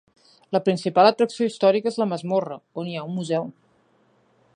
La principal atracció històrica és la masmorra, on hi ha un museu.